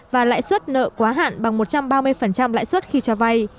và lãi suất nợ quá hạn bằng một trăm ba mươi lãi suất khi cho vay